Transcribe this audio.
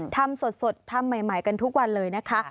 ทำสดทำใหม่กันทุกวันเลยนะคะ